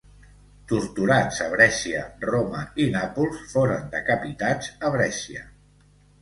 Torturats a Brescia, Roma i Nàpols, foren decapitats a Brescia.